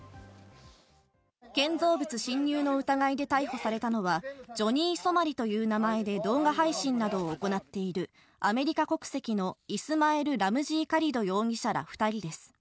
建造物侵入の疑いで逮捕されたのは、ジョニー・ソマリという名前で動画配信などを行っているアメリカ国籍のイスマエル・ラムジー・カリド容疑者ら２人です。